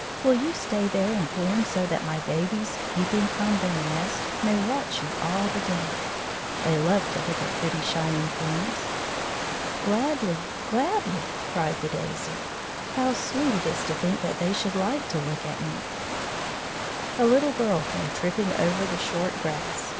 Will you stay there and bloom so that my babies peeping from their nest may watch you all the day? They love to look at pretty, shining things." "Gladly, gladly!" cried the daisy. "How sweet it is to think that they should like to look at me!" A little girl came tripping over the short grass.